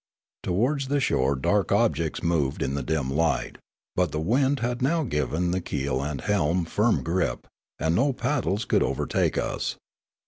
Towards the shore dark objects moved in the dim light, but the wind had now given the keel and helm firm grip, and no paddles could overtake us.